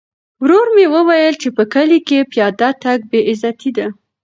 ورور مې وویل چې په کلي کې پیاده تګ بې عزتي ده.